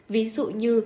ví dụ như